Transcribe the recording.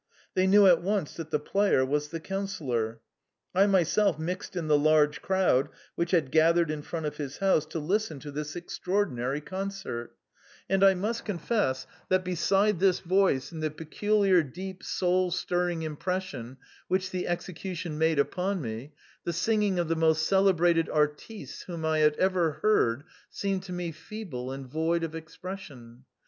They knew at once that the player was the Councillor. I myself mixed in the large crowd which had gathered in front of his house to listen to this extraordinary THE CREMONA VIOLIN. 9 concert ; and I must confess that, beside this voice and the peculiar, deep, soul stirring impression which the execution made upon me, the singing of the most cele brated artistes whom I had ever heard seemed to me feeble and void of expression.